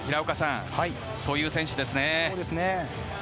そういう選手ですね。